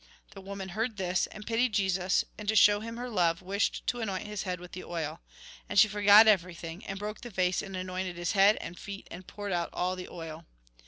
The woman heard this, and pitied Jesus, and, to show him her love, wished to anoint his head with the oil. And she forgot everything, and broke the vase, and anointed his head and feet, and poured out all the oil.